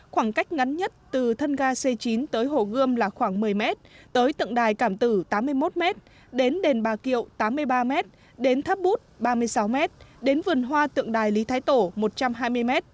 khoảng cách ngắn nhất từ thân ga c chín tới hồ gươm là khoảng một mươi m tới tượng đài cảm tử tám mươi một m đến đền bà kiệu tám mươi ba m đến tháp bút ba mươi sáu m đến vườn hoa tượng đài lý thái tổ một trăm hai mươi m